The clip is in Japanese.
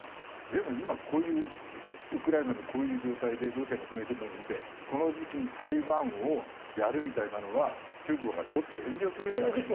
でも今こういうウクライナのこういう状態でロシアが攻め込んでるのを見てこの時期に台湾をやるみたいなのは中国がちょっと遠慮するんじゃないの？